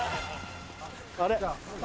あれ？